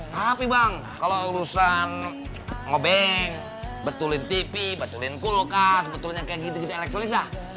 tapi bang kalo urusan ngobeng betulin tv betulin kulkas betulin yang kayak gitu gitu elektrolit lah